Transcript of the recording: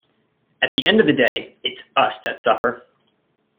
At the end of the day, it's us that suffer.